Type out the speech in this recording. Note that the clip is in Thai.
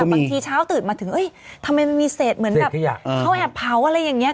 บางทีเช้าตื่นมาถึงทำไมมันมีเศษเหมือนแบบเขาแอบเผาอะไรอย่างนี้